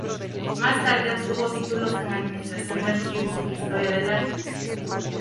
Más tarde, obtuvo títulos en Administración de Archivos e Historia del Arte.